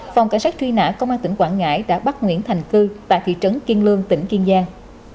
phòng cảnh sát truy nã công an tp cn đã bắt nguyễn thành cư tại thị trấn kiên lương tỉnh kiên giang